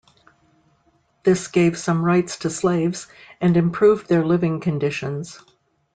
This gave some rights to slaves and improved their living conditions.